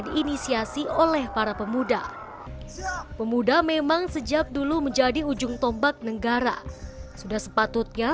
diinisiasi oleh para pemuda pemuda memang sejak dulu menjadi ujung tombak negara sudah sepatutnya